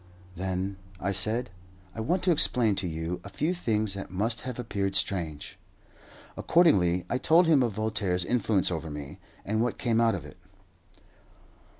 "Then," I said, "I want to explain to you a few things that must have appeared strange." Accordingly I told him of Voltaire's influence over me, and what came out of it.